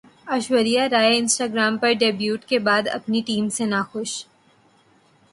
Aishwarya Rai Instagram پر debut کے بعد اپنی ٹیم سے ناخوش